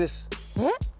えっ！